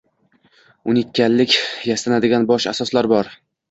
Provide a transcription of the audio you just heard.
Unikallik yastanadigan bosh asoslar bor.